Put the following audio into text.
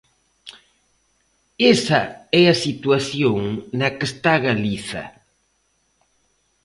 Esa é a situación na que está Galiza.